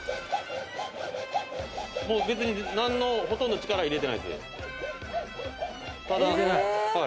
ほとんど力入れてないですよ。